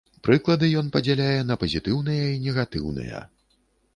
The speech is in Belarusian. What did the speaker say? Прыклады ён падзяляе на пазітыўныя і негатыўныя.